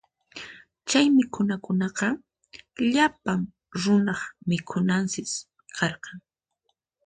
Chay mikhunakunaqa llapan runaq mikhunansi karqan.